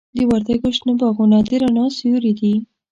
د وردګو شنه باغونه د رڼا سیوري دي.